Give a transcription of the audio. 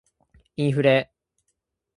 インフレ